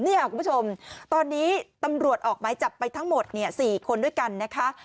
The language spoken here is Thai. คุณผู้ชมตอนนี้ตำรวจออกไม้จับไปทั้งหมด๔คนด้วยกันนะคะ